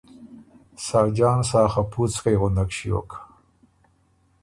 ساجان سا خپُوڅکئ غُندک ݭیوک